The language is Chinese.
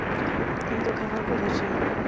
低度开发国家之一。